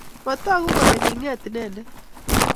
Matagu kole kinget inendet